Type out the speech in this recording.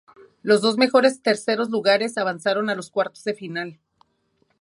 Los dos mejores terceros lugares avanzaron a los cuartos de final.